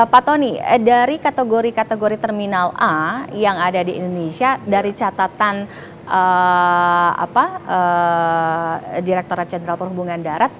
pak tony dari kategori kategori terminal a yang ada di indonesia dari catatan direkturat jenderal perhubungan darat